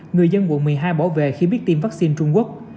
người dân quận một mươi hai bỏ về khi biết tiêm vaccine trung quốc